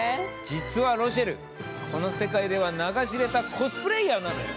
実はロシェルこの世界では名が知れたコスプレーヤーなのよ。